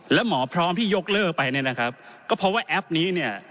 แล้วหมอพร้อมที่ยกเลิกไปเนี่ยนะครับก็เพราะว่าแอปนี้เนี่ย